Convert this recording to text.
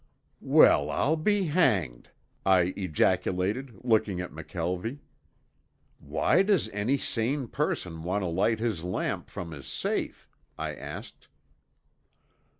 "Well, I'll be hanged!" I ejaculated, looking at McKelvie. "Why does any sane person want to light his lamp from his safe?" I asked.